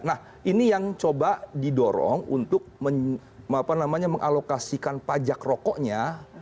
nah ini yang coba didorong untuk mengalokasikan pajak rokoknya